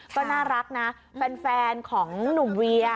ก็น่ารักนะแฟนของหนุ่มเวีย